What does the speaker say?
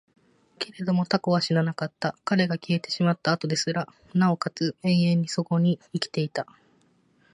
けれども蛸は死ななかった。彼が消えてしまった後ですらも、尚且つ永遠にそこに生きていた。